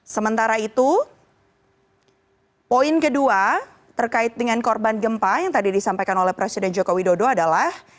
sementara itu poin kedua terkait dengan korban gempa yang tadi disampaikan oleh presiden joko widodo adalah